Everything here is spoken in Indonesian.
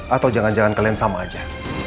atau jangan jangan kalian sama aja